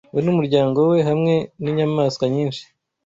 we n’umuryango we hamwe n’inyamaswa nyinshi